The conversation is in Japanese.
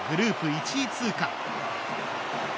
１位通過。